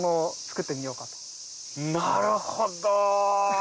なるほど。